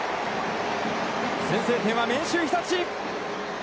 先制点は明秀日立。